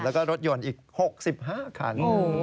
แล้วก็รถยนต์อีก๖๕คัน